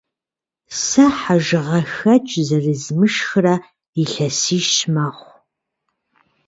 Сэ хьэжыгъэхэкӏ зэрызмышхрэ илъэсищ мэхъу.